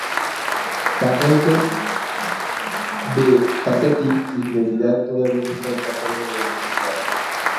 La gente de Ta-Seti y su identidad todavía se está tratando de descifrar.